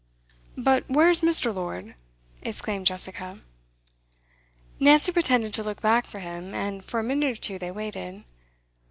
'But where's Mr. Lord?' exclaimed Jessica. Nancy pretended to look back for him, and for a minute or two they waited.